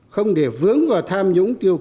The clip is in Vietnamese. không để vướng vào tham nhũng tiêu cực